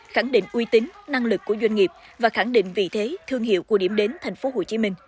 khẳng định uy tín năng lực của doanh nghiệp và khẳng định vị thế thương hiệu của điểm đến tp hcm